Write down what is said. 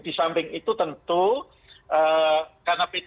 di samping itu tentu karena p tiga